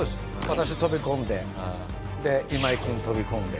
私飛び込んででイマイ君飛び込んで。